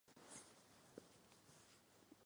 刚楚布寺位于日喀则地区吉隆县境内。